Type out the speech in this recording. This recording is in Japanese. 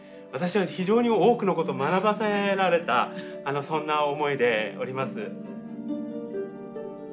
私は非常に多くのことを学ばせられたそんな思いでおります。